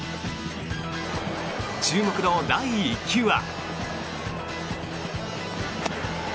注目の第１球は。